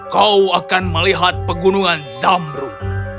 kau akan melihat pegunungan zamru